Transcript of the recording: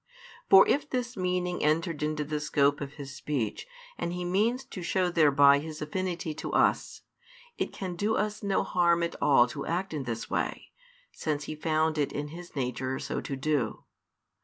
For if this meaning entered into the scope of His speech, and He means to show thereby His affinity to us, it can do us no harm at all to act in this way, since He found it in His nature so to do.